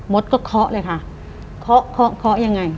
มดก็เคาะเลยค่ะเคาะยังไง